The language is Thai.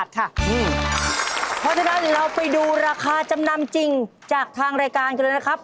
เพราะฉะนั้นเราไปดูราคาจำนำจริงจากทางรายการกันเลยนะครับ